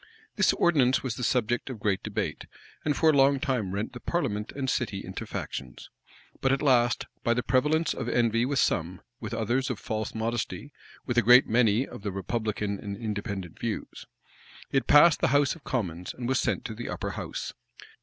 This ordinance was the subject of great debate, and for a long time rent the parliament and city into factions. But at last, by the prevalence of envy with some; with others, of false modesty; with a great many, of the republican and Independent views; it passed the house of commons, and was sent to the upper house.